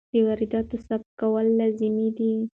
د وارداتو ثبت کول لازمي دي.